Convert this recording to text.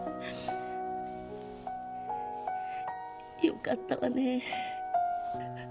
よかったわねぇ。